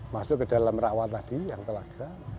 masuk ke dalam rakwa tadi yang telaga